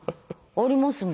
ありますね